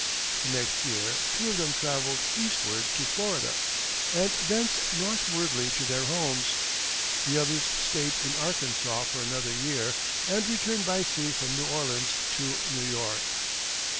The next year two of them traveled eastward to Florida, and thence northwardly to their homes; the others stayed in Arkansas for another year, and returned by sea from New Orleans to New York.